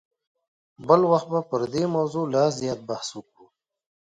بل وخت به پر دې موضوع لا زیات بحث وکړو.